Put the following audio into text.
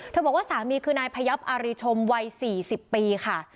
บอกว่าสามีคือนายพยับอารีชมวัย๔๐ปีค่ะ